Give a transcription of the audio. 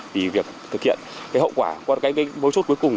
vì việc thực hiện cái hậu quả qua cái bối chốt cuối cùng